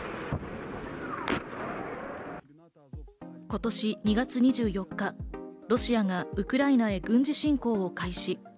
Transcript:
今年２月２４日、ロシアがウクライナへ軍事侵攻を開始。